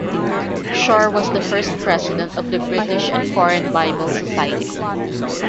Shore was the first president of the British and Foreign Bible Society.